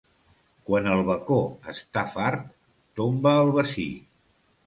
Quan el bacó està fart, tomba el bací.